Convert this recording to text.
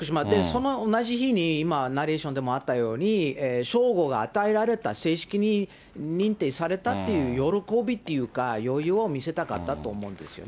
その同じ日に、今、ナレーションでもあったように、称号が与えられた、正式に認定されたっていう喜びというか、余裕を見せたかったと思うんですよね。